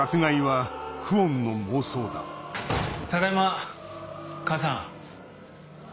ただいま母さん。